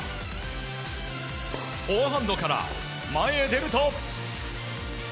フォアハンドから前へ出ると。